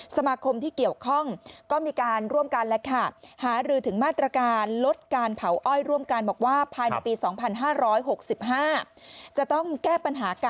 สมาคมที่เกี่ยวข้องก็มีการร่วมกันแล้วค่ะ